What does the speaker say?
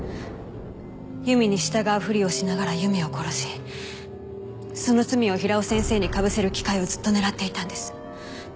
由美に従うふりをしながら由美を殺しその罪を平尾先生にかぶせる機会をずっと狙っていたんです。